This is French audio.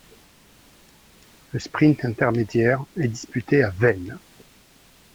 Le sprint intermédiaire est disputé à Veynes.